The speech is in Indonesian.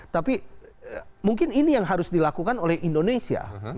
tapi mungkin ini yang harus dilakukan oleh indonesia